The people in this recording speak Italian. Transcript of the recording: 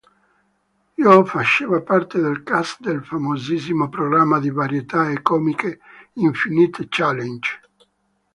Yoo faceva parte del cast del famosissimo programma di varietà e comiche "Infinite Challenge".